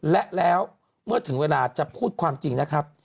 และนั้นถึงเวลาจะพูดความจริงนะครับ